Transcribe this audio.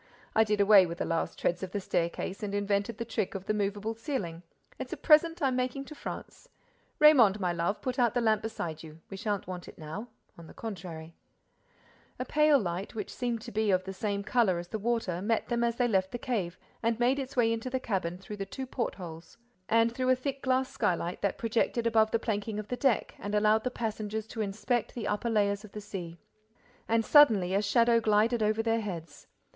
I did away with the last treads of the staircase and invented the trick of the movable ceiling: it's a present I'm making to France—Raymonde, my love, put out the lamp beside you—we shan't want it now—on the contrary—" A pale light, which seemed to be of the same color as the water, met them as they left the cave and made its way into the cabin through the two portholes and through a thick glass skylight that projected above the planking of the deck and allowed the passengers to inspect the upper layers of the sea. And, suddenly, a shadow glided over their heads.